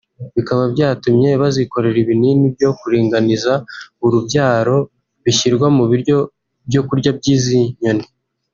bikaba byatumye bazikorera ibinini byo kuringaniza urubyaro bishyirwa mu byo kurya by’izi nyoni